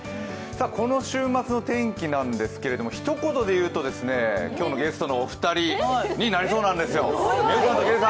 この週末の天気なんですけどひと言で言うと今日のゲストのお二人になりそうなんですよ。